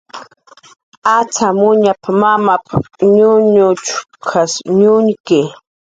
"Acxamuñaq mamap"" ñuñuchkas ñuñki"